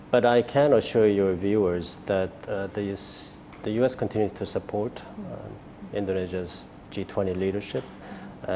tapi saya bisa memastikan para penonton bahwa as terus menolong pemerintah g dua puluh indonesia